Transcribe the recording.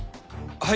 はい！